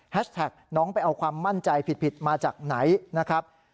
แท็กน้องไปเอาความมั่นใจผิดมาจากไหนนะครับ